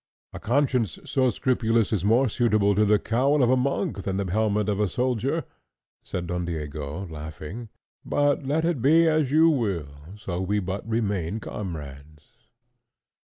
"A conscience so scrupulous is more suitable to the cowl of a monk than the helmet of a soldier," said Don Diego, laughing; "but let it be as you will, so we but remain comrades."